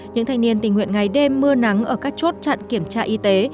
những thanh niên tình nguyện ngày đêm mưa nắng ở các chốt chặn kiểm tra y tế